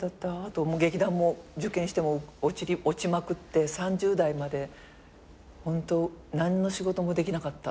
劇団も受験しても落ちまくって３０代までホント何の仕事もできなかった。